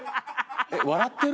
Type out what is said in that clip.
笑ってる？